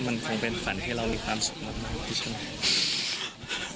มันคงเป็นฝันให้เรามีความสุขมากมายดีใช่ไหม